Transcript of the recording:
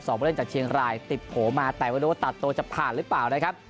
ผู้เล่นจากเชียงรายติดโผล่มาแต่ไม่รู้ว่าตัดตัวจะผ่านหรือเปล่านะครับ